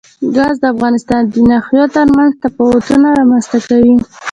ګاز د افغانستان د ناحیو ترمنځ تفاوتونه رامنځ ته کوي.